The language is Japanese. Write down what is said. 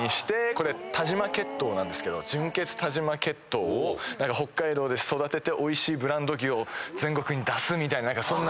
これ但馬血統なんですけど純血但馬血統を北海道で育てておいしいブランド牛を全国に出すみたいな何かそんな。